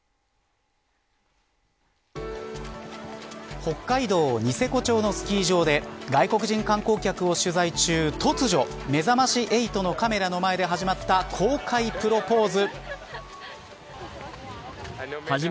北海道ニセコ町のスキー場で外国人観光客を取材中突如、めざまし８のカメラの前で始まった公開プロポーズ。